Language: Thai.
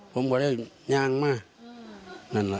ผมบอกให้ยางมานั่นแหละ